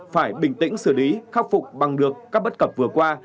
phải bình tĩnh xử lý khắc phục bằng được các bất cập vừa qua